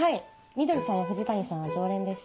みどりさんや藤谷さんは常連です。